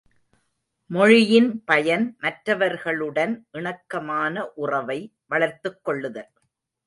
மொழியின் பயன் மற்றவர்களுடன் இணக்கமான உறவை வளர்த்துக் கொள்ளுதல்.